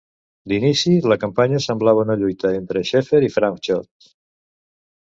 D'inici, la campanya semblava una lluita entre Schaefer i Franchot.